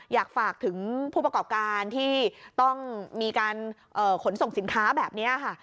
อยากฝากถึงผู้ประกอบการที่ต้องมีการขนส่งสินค้าแบบนี้ค่ะ